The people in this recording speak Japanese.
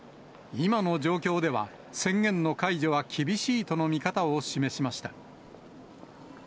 今の状況では、宣言の解除は厳しいとの見方を示しました。